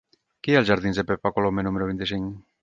Què hi ha als jardins de Pepa Colomer número vint-i-cinc?